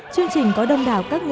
chương trình có đông đảo các nơi